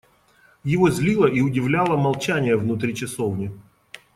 Его злило и удивляло молчание внутри часовни.